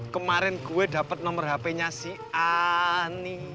kemaren gue dapet nomer hpnya si ani